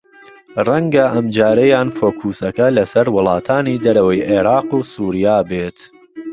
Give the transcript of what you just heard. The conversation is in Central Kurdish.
رەنگە ئەمجارەیان فۆکووسەکە لەسەر وڵاتانی دەرەوەی عێراق و سووریا بێت